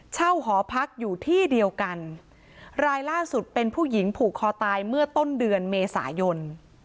หอพักอยู่ที่เดียวกันรายล่าสุดเป็นผู้หญิงผูกคอตายเมื่อต้นเดือนเมษายน